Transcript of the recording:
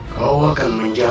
kau akan menjaga aku